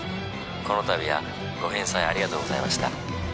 この度はご返済ありがとうございました。